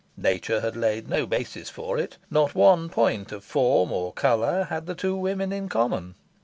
Nature had laid no basis for it. Not one point of form or colour had the two women in common.